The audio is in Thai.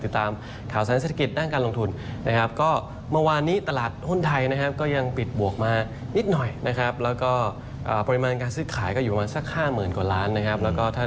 ติดตามพร้อมกันชับ